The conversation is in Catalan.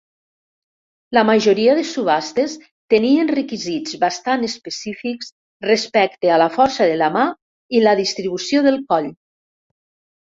La majoria de subhastes tenien requisits bastant específics respecte a la força de la mà i la distribució del coll.